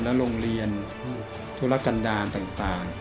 แล้วโรงเรียนธุรกรรดาต่าง